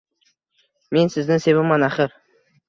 Men sizni sevaman axir.